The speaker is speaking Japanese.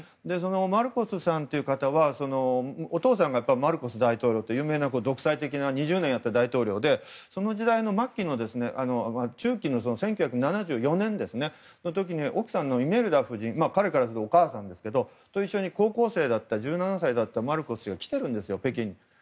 マルコスさんという方はお父さんがマルコス大統領という有名な独裁的な２０年やった大統領でその時代の中期の１９７４年に奥さんのイメルダ夫人と一緒に高校生だったマルコス氏が北京に来ているんですよ。